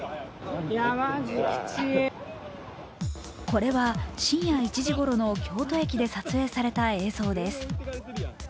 これは深夜１時ごろの京都駅で撮影された映像です。